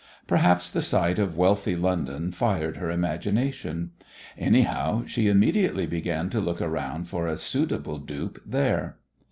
Perhaps the sight of wealthy London fired her imagination. Anyhow, she immediately began to look round for a suitable dupe there.